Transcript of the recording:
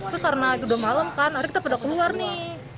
terus karena udah malam kan akhirnya kita pada keluar nih